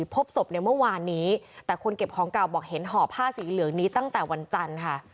พบศพในเมื่อวานนี้แต่คนเก็บของเก่าบอกเห็นห่อผ้าสีเหลืองนี้ตั้งแต่วันจันทร์ค่ะ